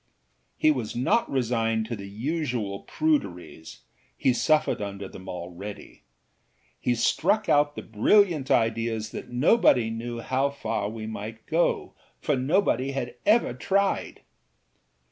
â He was not resigned to the usual pruderiesâhe suffered under them already. He struck out the brilliant idea that nobody knew how far we might go, for nobody had ever tried.